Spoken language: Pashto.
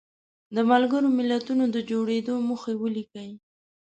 د ملګرو ملتونو د جوړېدو موخې ولیکئ.